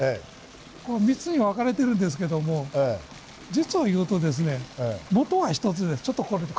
こう３つに分かれてるんですけども実をいうともとは１つでちょっとこれで。